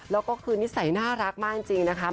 แล้วก็คือนิสัยน่ารักมากจริงนะคะ